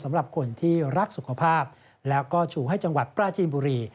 สำหรับคนที่รักสุขภาพแล้วก็ชูให้จังหวัดปราจีนบุรี